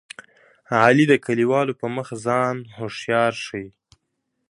علي د کلیوالو په مخ ځان هوښیار ښيي.